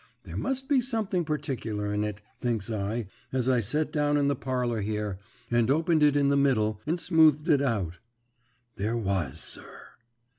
There must be something particular in it, thinks I, as I set down in the parlour here, and opened it in the middle, and smoothed it out. There was, sir.